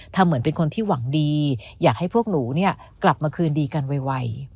เหมือนเป็นคนที่หวังดีอยากให้พวกหนูกลับมาคืนดีกันไว